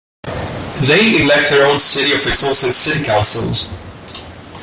They elect their own city officials and city councils.